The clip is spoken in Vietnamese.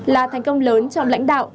là thành công lớn trong lãnh đạo